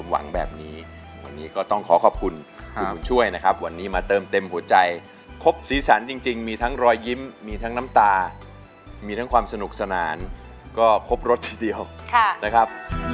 วันนี้มาเติมเต็มหัวใจครบสีสันจริงมีทั้งรอยยิ้มมีทั้งน้ำตามีทั้งความสนุกสนานก็ครบรถทีเดียวนะครับ